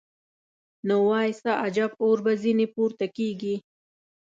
نو وای څه عجب اور به ځینې پورته کېږي.